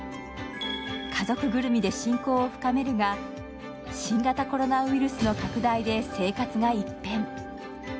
家族ぐるみで親交を深めるが、新型コロナウイルスの拡大で生活が一変。